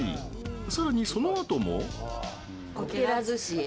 さらにそのあとも。